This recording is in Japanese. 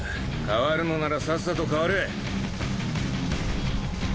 代わるのならさっさと代われ。